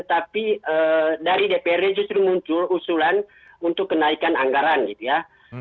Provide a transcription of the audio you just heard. tapi dari dprd justru muncul usulan untuk kenaikan anggaran gitu ya